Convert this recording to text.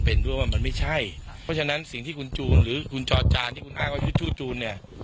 เพราะฉะนั้นสิ่งที่คุณจูนหรือคุณจอดจานที่คุณอ้าก็ยืดชู่จูนเนี่ย